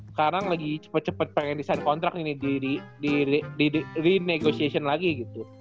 sekarang lagi cepet cepet pengen desain kontrak ini di renegosiation lagi gitu